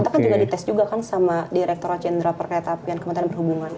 kita kan juga di tes juga kan sama direktur rochendra perketapian kementerian perhubungan